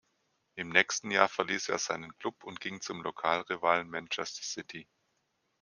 Im nächsten Jahr verließ er seinen Klub und ging zum Lokalrivalen Manchester City.